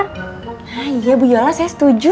ah iya bu yola saya setuju